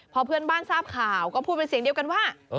พอเพื่อนบ้านทราบข่าวก็พูดเป็นเสียงเดียวกันว่า